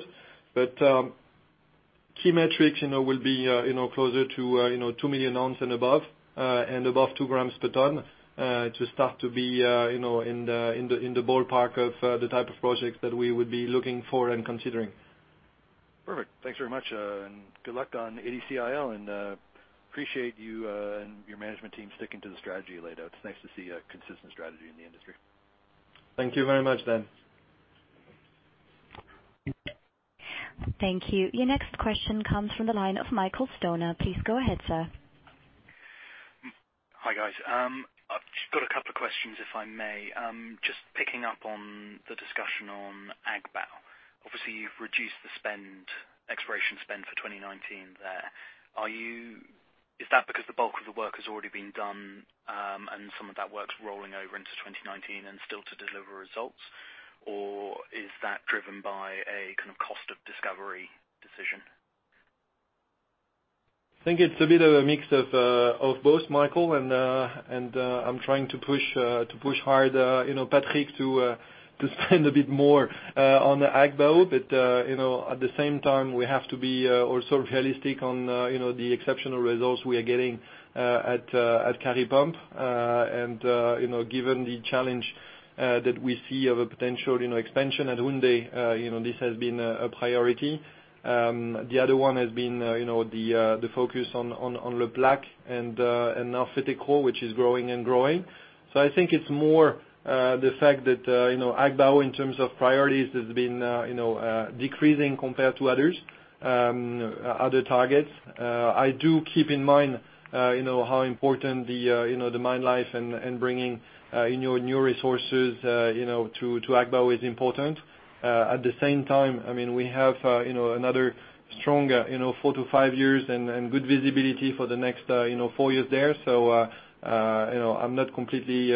Speaker 2: Key metrics will be closer to 2 million ounces and above, and above 2 grams per ton to start to be in the ballpark of the type of projects that we would be looking for and considering.
Speaker 5: Perfect. Thanks very much, good luck on Ity CIL, and appreciate you and your management team sticking to the strategy you laid out. It's nice to see a consistent strategy in the industry.
Speaker 2: Thank you very much, Dan.
Speaker 1: Thank you. Your next question comes from the line of Michael Stoner. Please go ahead, sir.
Speaker 7: Hi, guys. I've just got a couple of questions, if I may. Just picking up on the discussion on Agbaou. Obviously, you've reduced the exploration spend for 2019 there. Is that because the bulk of the work has already been done, and some of that work's rolling over into 2019 and still to deliver results? Or is that driven by a cost of discovery decision?
Speaker 2: I think it's a bit of a mix of both, Michael. I'm trying to push hard Patrick to spend a bit more on Agbaou. But at the same time, we have to be also realistic on the exceptional results we are getting at Kari Pump. Given the challenge that we see of a potential expansion at Houndé, this has been a priority. The other one has been the focus on Le Plaque and now Fetekro, which is growing and growing. I think it's more the fact that Agbaou, in terms of priorities, has been decreasing compared to other targets. I do keep in mind how important the mine life and bringing in your new resources to Agbaou is important. At the same time, we have another strong four to five years and good visibility for the next four years there. I'm not completely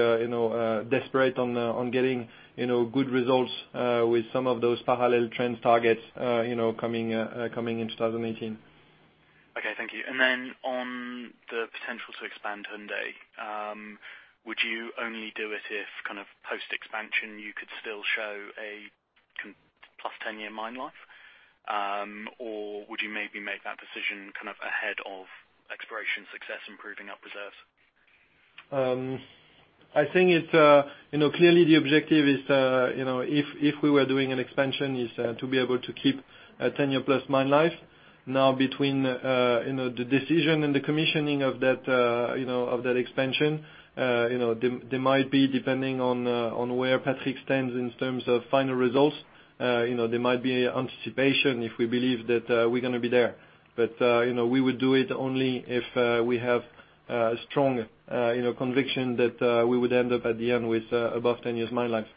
Speaker 2: desperate on getting good results with some of those parallel trend targets coming in 2018.
Speaker 7: Okay, thank you. On the potential to expand Houndé. Would you only do it if post-expansion, you could still show a 10+ year mine life? Or would you maybe make that decision ahead of exploration success and proving up reserves?
Speaker 2: I think clearly the objective is if we were doing an expansion, is to be able to keep a 10+ year mine life. Between the decision and the commissioning of that expansion there might be, depending on where Patrick stands in terms of final results, there might be anticipation if we believe that we're going to be there. We would do it only if we have a strong conviction that we would end up at the end with above 10 years mine life.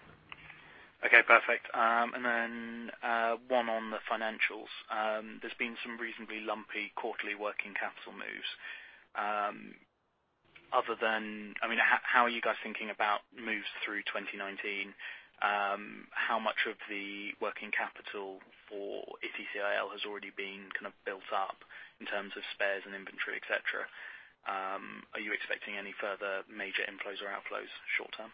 Speaker 7: Okay, perfect. One on the financials. There's been some reasonably lumpy quarterly working capital moves. How are you guys thinking about moves through 2019? How much of the working capital for Ity CIL has already been built up in terms of spares and inventory, et cetera? Are you expecting any further major inflows or outflows short-term?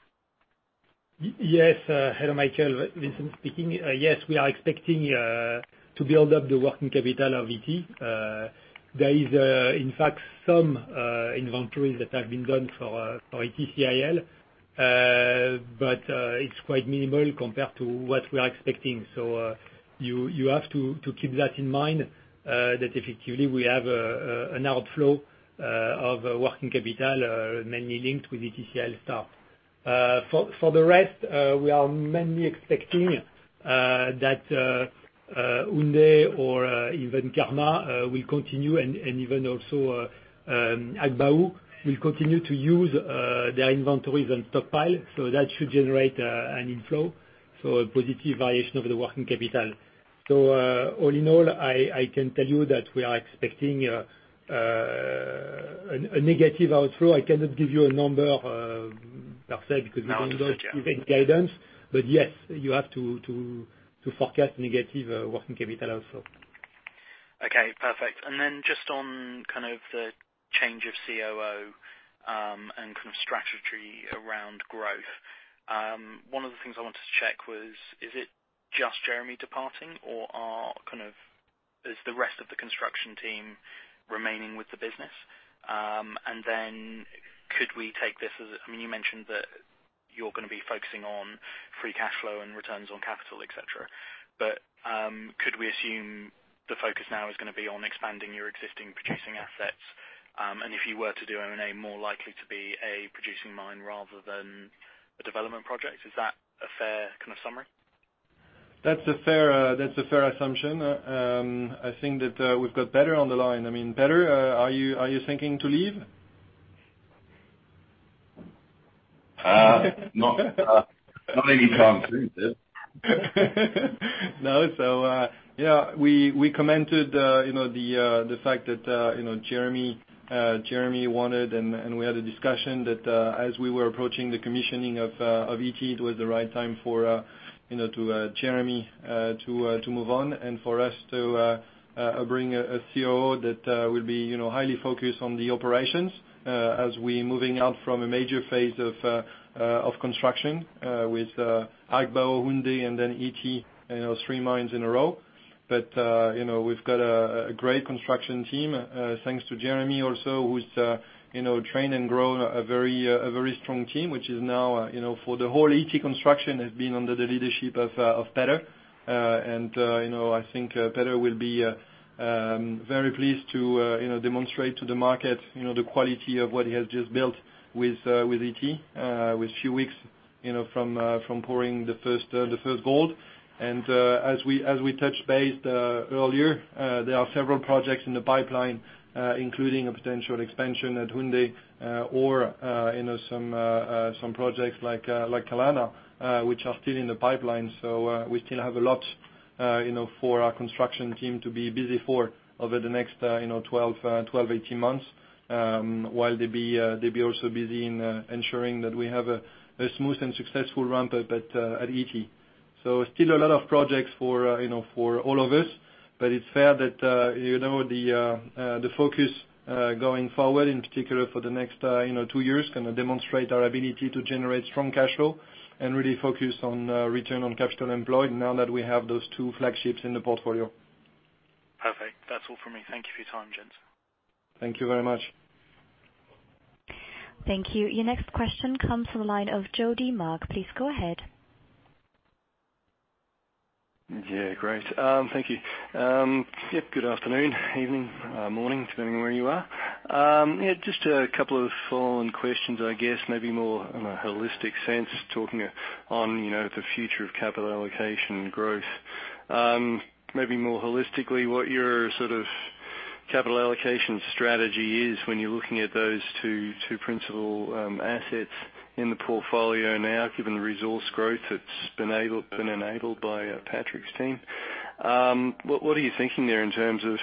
Speaker 3: Yes. Hello, Michael. Vincent speaking. Yes, we are expecting to build up the working capital of Ity. There is, in fact, some inventory that has been done for Ity CIL. It's quite minimal compared to what we are expecting. You have to keep that in mind, that effectively we have an outflow of working capital mainly linked with Ity CIL staff. For the rest, we are mainly expecting that Houndé or even Karma will continue, and even also Agbaou will continue to use their inventories and stockpile. That should generate an inflow, a positive valuation of the working capital. All in all, I can tell you that we are expecting a negative outflow. I cannot give you a number per se because we don't give guidance. Yes, you have to forecast negative working capital outflow.
Speaker 7: Okay, perfect. Just on the change of COO and strategy around growth. One of the things I wanted to check was, is it just Jeremy departing, or is the rest of the construction team remaining with the business? Could we take this as, you mentioned that you're going to be focusing on free cash flow and returns on capital, et cetera. Could we assume the focus now is going to be on expanding your existing producing assets? If you were to do M&A, more likely to be a producing mine rather than a development project? Is that a fair summary?
Speaker 2: That's a fair assumption. I think that we've got Peter on the line. Peter, are you thinking to leave?
Speaker 6: Not anytime soon.
Speaker 2: No. We commented the fact that Jeremy wanted, and we had a discussion that as we were approaching the commissioning of Ity, it was the right time for Jeremy to move on and for us to bring a COO that will be highly focused on the operations as we're moving out from a major phase of construction with Agbaou, Houndé, and Ity, three mines in a row. We've got a great construction team. Thanks to Jeremy also, who's trained and grown a very strong team, which is now for the whole Ity construction, has been under the leadership of Peter. I think Peter will be very pleased to demonstrate to the market the quality of what he has just built with Ity with few weeks from pouring the first gold. As we touched base earlier, there are several projects in the pipeline including a potential expansion at Houndé or some projects like Kalana which are still in the pipeline. We still have a lot for our construction team to be busy for over the next 12, 18 months, while they'll be also busy in ensuring that we have a smooth and successful ramp-up at Ity. Still a lot of projects for all of us. It's fair that the focus going forward, in particular for the next two years, going to demonstrate our ability to generate strong cash flow and really focus on return on capital employed now that we have those two flagships in the portfolio.
Speaker 7: Perfect. That's all for me. Thank you for your time, gents.
Speaker 2: Thank you very much.
Speaker 1: Thank you. Your next question comes from the line of Geordie Mark. Please go ahead.
Speaker 8: Yeah. Great. Thank you. Yep. Good afternoon, evening, morning, depending on where you are. Just a couple of follow-on questions, I guess maybe more in a holistic sense, talking on the future of capital allocation and growth. Maybe more holistically, what your capital allocation strategy is when you're looking at those two principal assets in the portfolio now, given the resource growth that's been enabled by Patrick's team. What are you thinking there in terms of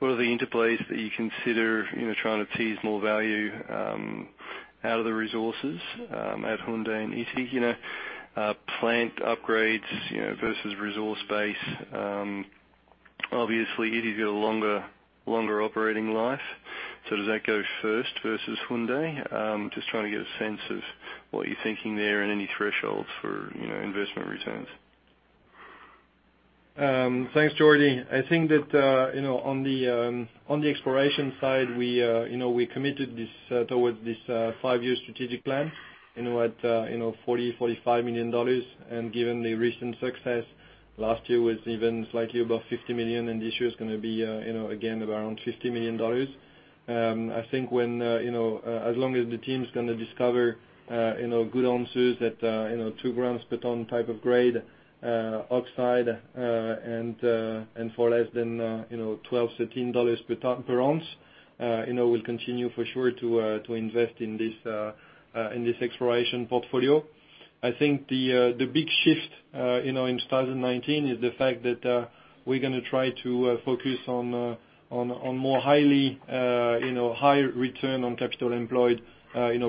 Speaker 8: what are the interplays that you consider trying to tease more value out of the resources at Houndé and Ity? Plant upgrades versus resource base. Obviously, Ity's got a longer operating life, does that go first versus Houndé? Just trying to get a sense of what you're thinking there and any thresholds for investment returns.
Speaker 2: Thanks, Geordie. I think that on the exploration side, we committed towards this 5-year strategic plan at $40, $45 million. Given the recent success, last year was even slightly above $50 million, this year's going to be again of around $50 million. I think as long as the team's going to discover good ounces that 2 grams per ton type of grade oxide and for less than $12, $13 per ounce we'll continue for sure to invest in this exploration portfolio. I think the big shift in 2019 is the fact that we're going to try to focus on more higher return on capital employed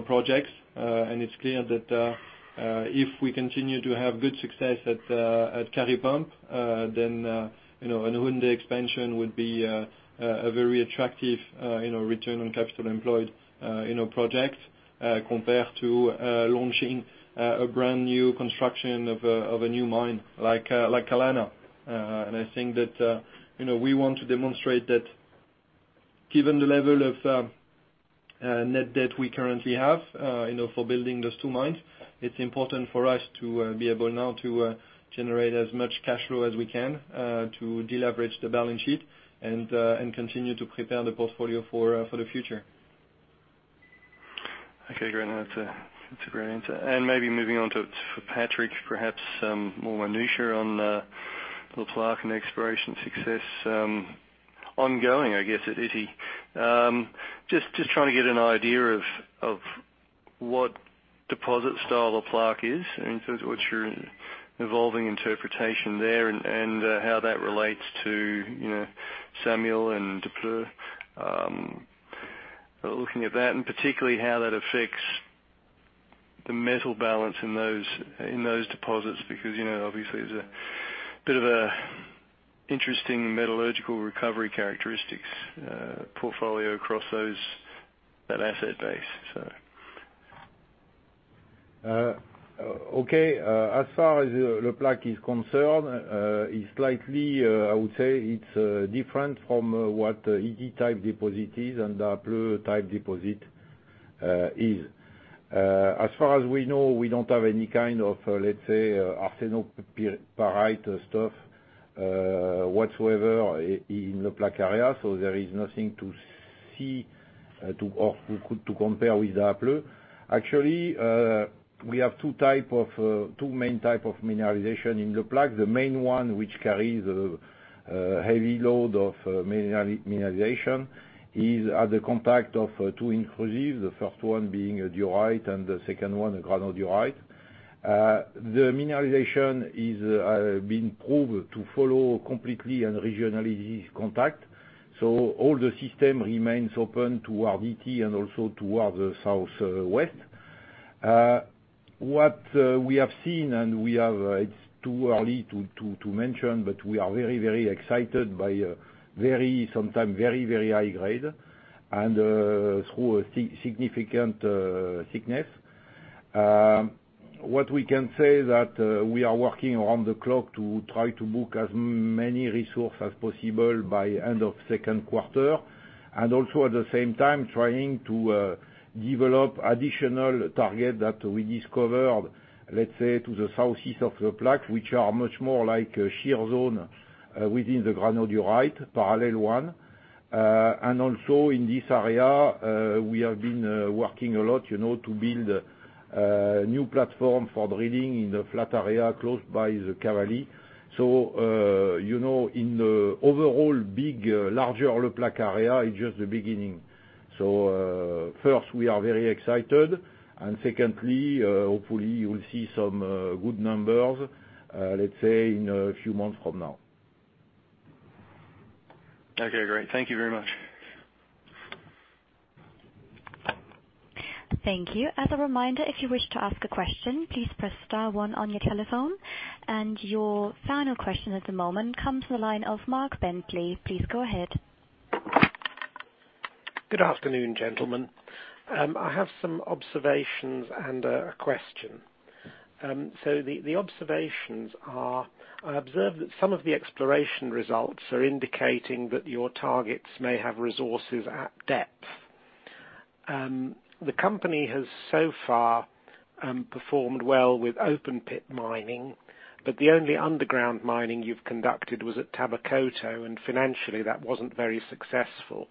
Speaker 2: projects. It's clear that if we continue to have good success at Kari Pump, then a Houndé expansion would be a very attractive return on capital employed project compared to launching a brand new construction of a new mine like Kalana. I think that we want to demonstrate that given the level of net debt we currently have for building those two mines, it's important for us to be able now to generate as much cash flow as we can to deleverage the balance sheet and continue to prepare the portfolio for the future.
Speaker 8: Okay, great. That's a great answer. Maybe moving on to Patrick, perhaps more minutia on Le Plaque and exploration success ongoing, I guess, at Ity. Just trying to get an idea of what deposit style Le Plaque is and what's your evolving interpretation there and how that relates to Samuella and Daapleu. Looking at that, particularly how that affects the metal balance in those deposits because obviously there's a bit of interesting metallurgical recovery characteristics portfolio across that asset base.
Speaker 4: Okay. As far as Le Plaque is concerned, it's slightly, I would say, it's different from what Ity type deposit is and Daapleu type deposit is. As far as we know, we don't have any kind of, let's say, arsenopyrite stuff whatsoever in Le Plaque area. There is nothing to see to compare with Daapleu. Actually, we have two main type of mineralization in Le Plaque. The main one, which carries a heavy load of mineralization is at the contact of two inclusives, the first one being a diorite and the second one a granodiorite. The mineralization has been proved to follow completely and regionally this contact. All the system remains open toward Ity and also toward the southwest. What we have seen, and it's too early to mention, but we are very excited by sometimes very high grade and through a significant thickness. What we can say that we are working around the clock to try to book as many resource as possible by end of second quarter. Also at the same time trying to develop additional target that we discovered, let's say, to the southeast of Le Plaque, which are much more like a sheer zone within the granodiorite, parallel one. Also in this area, we have been working a lot to build a new platform for drilling in the flat area close by the Cavally. In the overall big, larger Le Plaque area, it's just the beginning. First, we are very excited and secondly, hopefully we will see some good numbers, let's say, in a few months from now.
Speaker 8: Okay, great. Thank you very much.
Speaker 1: Thank you. As a reminder, if you wish to ask a question, please press star 1 on your telephone. Your final question at the moment comes to the line of Mark Bentley. Please go ahead.
Speaker 9: Good afternoon, gentlemen. I have some observations and a question. The observations are, I observed that some of the exploration results are indicating that your targets may have resources at depth. The company has so far performed well with open-pit mining, but the only underground mining you've conducted was at Tabakoto, and financially, that wasn't very successful.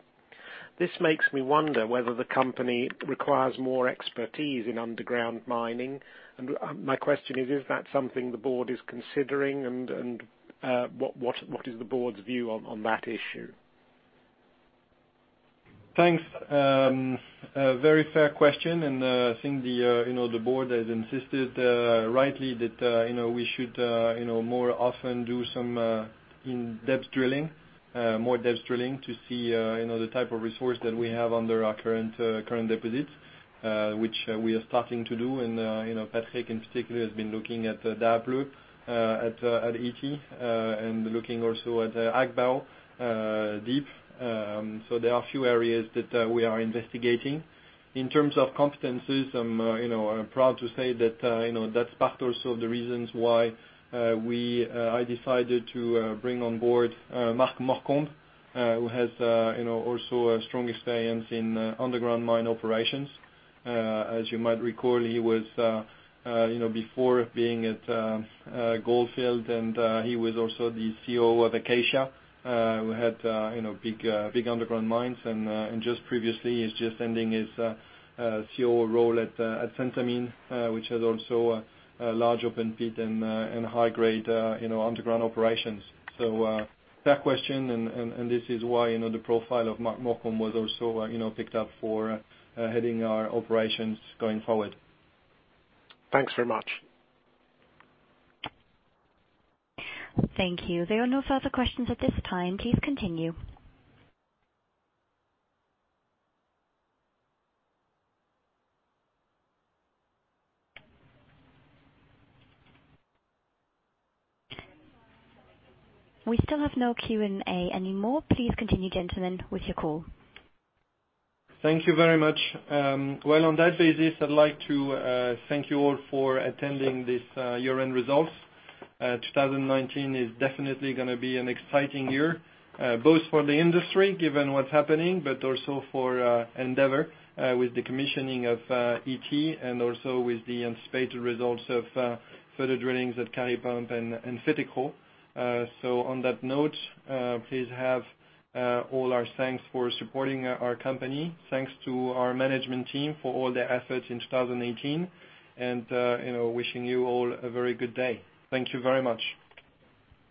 Speaker 9: This makes me wonder whether the company requires more expertise in underground mining. My question is that something the board is considering? What is the board's view on that issue?
Speaker 2: Thanks. A very fair question. I think the board has insisted rightly that we should more often do some in-depth drilling, more depth drilling to see the type of resource that we have under our current deposits, which we are starting to do. Patrick in particular has been looking at Daapleu at Ity, looking also at Agbaou deep. There are a few areas that we are investigating. In terms of competencies, I'm proud to say that that's part also of the reasons why I decided to bring on board Marc Morcombe, who has also a strong experience in underground mine operations. As you might recall, he was before being at Gold Fields. He was also the CEO of Acacia, who had big underground mines and just previously is just ending his CEO role at Centamin, which has also a large open pit and high grade underground operations. Fair question. This is why the profile of Marc Morcombe was also picked up for heading our operations going forward.
Speaker 9: Thanks very much.
Speaker 1: Thank you. There are no further questions at this time. Please continue. We still have no Q&A anymore. Please continue, gentlemen, with your call.
Speaker 2: Thank you very much. On that basis, I'd like to thank you all for attending this year-end results. 2019 is definitely going to be an exciting year, both for the industry, given what's happening, but also for Endeavour Mining, with the commissioning of Ity and also with the anticipated results of further drillings at Kari Pump and Fetekro. On that note, please have all our thanks for supporting our company. Thanks to our management team for all their efforts in 2018 and wishing you all a very good day. Thank you very much.